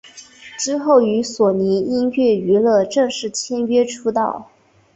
之后与索尼音乐娱乐正式签约出道。